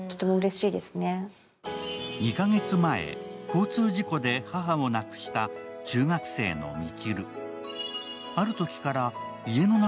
交通事故で母を亡くした中学生のみちる。